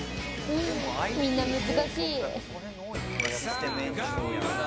みんな難しい。